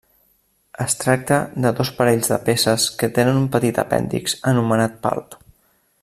Es tracta de dos parells de peces que tenen un petit apèndix anomenat palp.